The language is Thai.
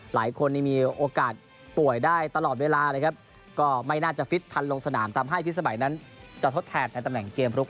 หลายคนนี่มีโอกาสป่วยได้ตลอดเวลานะครับก็ไม่น่าจะฟิตทันลงสนามทำให้พิสมัยนั้นจะทดแทนในตำแหน่งเกมลุก